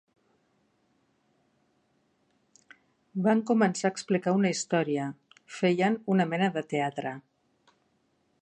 Van començar a explicar una història, feien una mena de teatre.